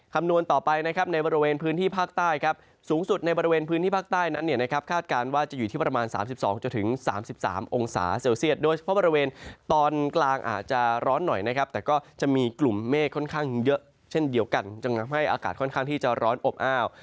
คำนวณต่อไปนะครับในบริเวณพื้นที่ภาคใต้ครับสูงสุดในบริเวณพื้นที่ภาคใต้นั้นเนี่ยนะครับคาดการณ์ว่าจะอยู่ที่ประมาณ๓๒๓๓องศาเซลเซียตโดยเฉพาะบริเวณตอนกลางอาจจะร้อนหน่อยนะครับแต่ก็จะมีกลุ่มเมฆค่อนข้างเยอะเช่นเดียวกันจึงทำให้อากาศค่อนข้างที่จะร้อนอบอ้าว